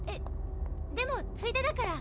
でもついでだから。